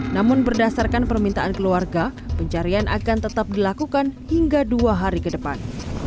namun berdasarkan permintaan keluarga pencarian akan tetap dilakukan hingga dua hari ke depan